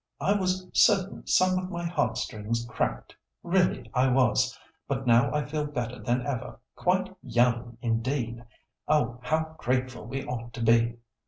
I was certain some of my heart strings cracked—really I was—but now I feel better than ever, quite young, indeed! Oh! how grateful we ought to be!"